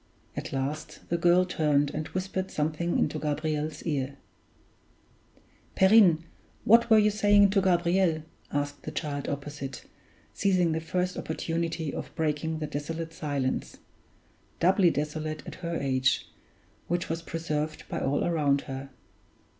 At last the girl turned and whispered something into Gabriel's ear: "Perrine, what were you saying to Gabriel?" asked the child opposite, seizing the first opportunity of breaking the desolate silence doubly desolate at her age which was preserved by all around her.